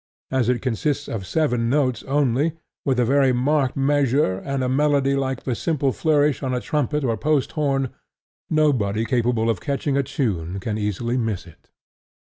As it consists of seven notes only, with a very marked measure, and a melody like a simple flourish on a trumpet or post horn, nobody capable of catching a tune can easily miss it.